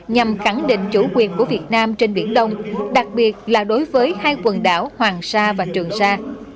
nhằm khẳng định chủ quyền của việt nam trên biển đông đặc biệt là đối với hai quần đảo hoàng sa và trường sa